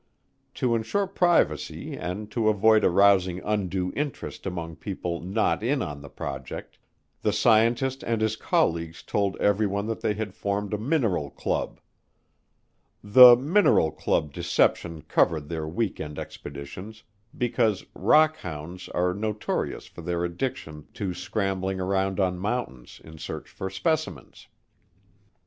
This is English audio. To insure privacy and to avoid arousing undue interest among people not in on the project, the scientist and his colleagues told everyone that they had formed a mineral club. The "mineral club" deception covered their weekend expeditions because "rock hounds" are notorious for their addiction to scrambling around on mountains in search for specimens.